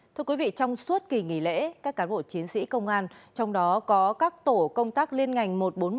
thưa quý vị trong suốt kỳ nghỉ lễ các cán bộ chiến sĩ công an trong đó có các tổ công tác liên ngành một trăm bốn mươi một